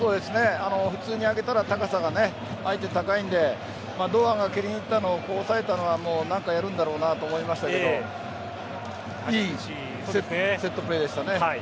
普通に上げたら高さが相手、高いので堂安が蹴りにいったのを抑えたのは何かやるんだろうなと思いましたがいいセットプレーでしたね。